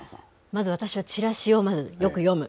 まず私はチラシをまずよく読む。